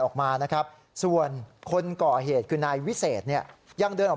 ออกมานะครับส่วนคนก่อเหตุคือนายวิเศษเนี่ยยังเดินออกมา